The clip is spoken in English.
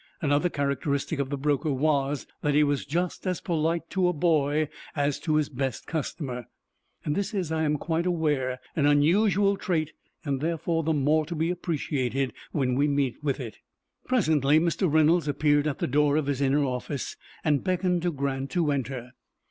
Another characteristic of the broker was, that he was just as polite to a boy as to his best customer. This is, I am quite aware, an unusual trait, and, therefore, the more to be appreciated when we meet with it. Presently Mr. Reynolds appeared at the door of his inner office, and beckoned to Grant to enter.